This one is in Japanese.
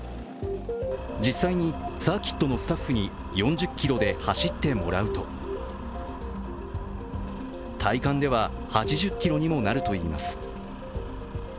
実際にサーキットのスタッフに４０キロで走ってもらうと体感では８０キロにもなるといいます。